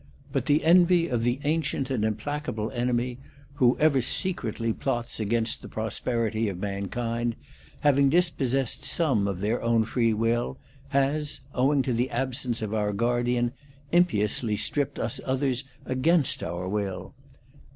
But the envy of the ancient and implacable enemy, who ever secretly plots against the prosperity of mankind, having dispossessed some of their own free will, has, owing to the absence of our guardian, impiously stripped us others against our will.